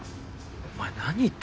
お前何言って。